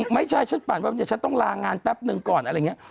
ไม่ใช่ฉันปั่นว่าเดี๋ยวฉันต้องลางานแป๊บนึงก่อนอะไรอย่างนี้